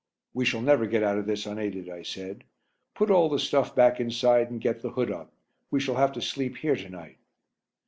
"We shall never get out of this unaided," I said. "Put all the stuff back inside and get the hood up; we shall have to sleep here to night."